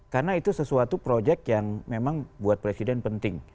karena itu sesuatu proyek yang memang buat presiden penting